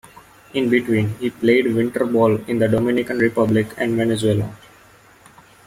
In between, he played winter ball in the Dominican Republic and Venezuela.